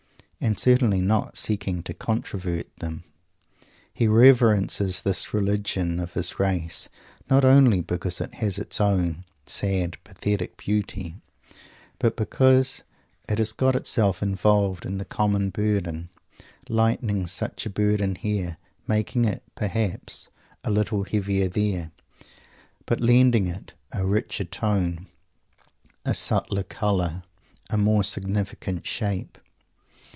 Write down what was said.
and certainly not seeking to controvert them. He reverences this Religion of his Race not only because it has its own sad, pathetic beauty, but because it has got itself involved in the common burden; lightening such a burden here, making it, perhaps, a little heavier there, but lending it a richer tone, a subtler colour, a more significant shape.